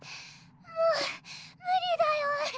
もう無理だよ